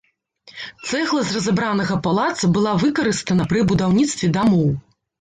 Цэгла з разабранага палаца была выкарыстана пры будаўніцтве дамоў.